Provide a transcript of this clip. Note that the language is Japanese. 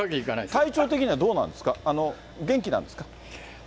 体調的にはどうなんですか、元気なんですか？